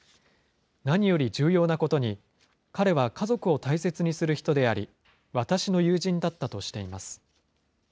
何より重要なことに彼は家族を大切にする人であり、私の友人だったとしています。